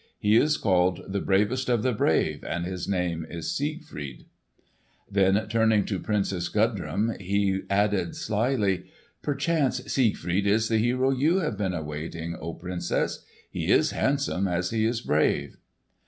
He is called the bravest of the brave, and his name is Siegfried." Then turning to the Princess Gudrun, he added slyly, "Perchance Siegfried is the hero you have been awaiting, O Princess! He is handsome as he is brave."